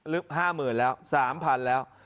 ลึก๕หมื่นแล้ว๓พันธุ์แล้ว